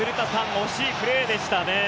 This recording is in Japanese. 惜しいプレーでしたね。